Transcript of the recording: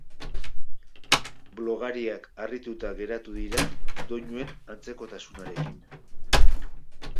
Blogariak harrituta geratu dira doinuen antzekotasunarekin.